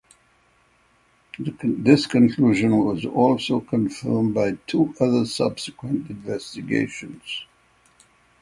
This conclusion was also confirmed by two other subsequent investigations.